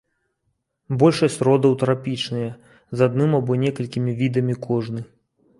Большасць родаў трапічныя, з адным або некалькімі відамі кожны.